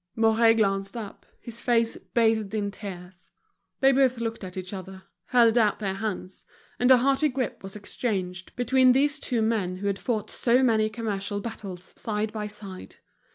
Mouret glanced up, his face bathed in tears; they both looked at each other, held out their hands, and a hearty grip was exchanged between these two men who had fought so many commercial battles side by side.